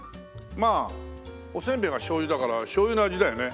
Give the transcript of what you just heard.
まあおせんべいがしょうゆだからしょうゆの味だよね。